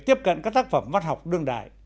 tiếp cận các tác phẩm văn học đương đại